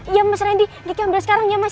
iya mas randy gigi ambil sekarang ya mas ya